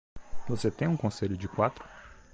Você tem um conselho de quatro?